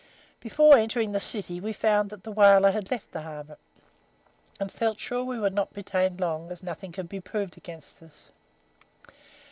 "Before entering the city we found that the whaler had left the harbour, and felt sure we would not be detained long, as nothing could be proved against us.